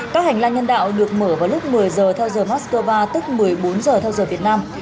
các hành lang nhân đạo được mở vào lúc một mươi giờ theo giờ moscow tức một mươi bốn giờ theo giờ việt nam